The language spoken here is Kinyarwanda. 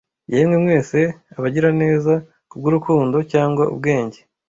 yemwe mwese abagiraneza kubwurukundo cyangwa ubwenge